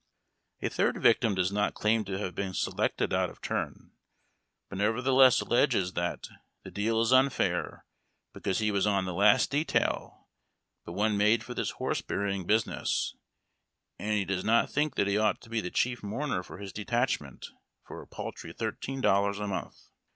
A third victim does not claim to have been selected out of turn, but nevertheless alleges that " the deal is unfair, because he was on the last detail but one inade for this horse burying business, and he does not think that he ought to be the chief mourner for his detachment, for a paltry thirteen dollars a month.